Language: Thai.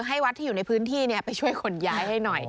ให้วัดที่อยู่ในพื้นที่ไปช่วยขนย้ายให้หน่อย